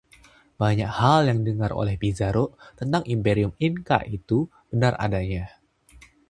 Banyak hal yang didengar oleh Pizzaro tentang imperium Inca itu benar adanya.